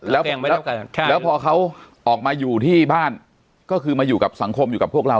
แล้วพอเขาออกมาอยู่ที่บ้านก็คือมาอยู่กับสังคมอยู่กับพวกเรา